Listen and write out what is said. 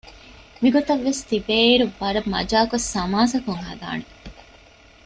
މިގޮތަށްވެސް ތިބޭއިރު ވަރަށް މަޖާކޮށް ސަމާސާކޮށް ހަދާނެ